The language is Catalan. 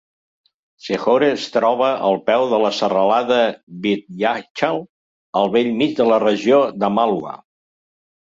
Sehore es troba al peu de la serralada Vindhyachal al bell mig de la regió de Malwa.